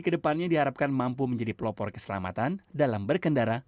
ke depannya diharapkan mampu menjadi pelopor keselamatan dalam berkendara